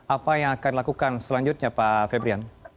apa yang akan dilakukan selanjutnya pak febrian